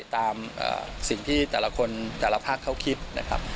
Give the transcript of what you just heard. ตามสิ่งที่แต่ละคนแต่ละภาคเขาคิดนะครับ